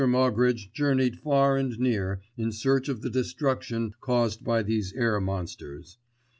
Moggridge journeyed far and near in search of the destruction caused by these air monsters.